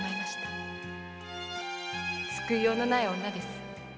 「救いようのない女です。